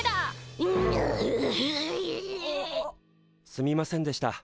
すみませんでした。